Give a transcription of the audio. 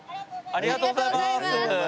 ありがとうございます。